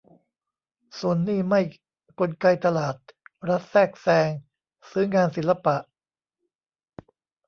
ส่วนนี่ไม่กลไกตลาด รัฐแทรกแซง ซื้องานศิลปะ